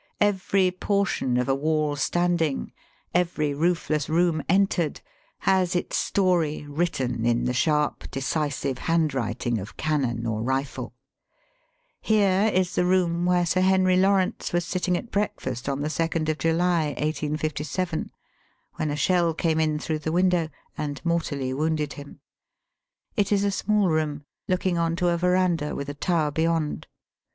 Every portion of a waU standing, every roof less room entered, has its story, written in the sharp, decisive handwriting of cannon or rifle. Here is the room where Sir Henry Digitized by VjOOQIC THE RESIDENCY AT LUCKNOW. 246 Lawrence was sitting at breakfast on the 2nd of July, 1857, when a shell came in through the window and mortally wounded him. It is a small room, looking on to a verandah with a tower beyond.